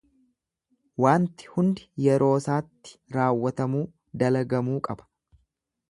Waanti hundi yeroosaatti raawwatamuu dalagamuu qaba.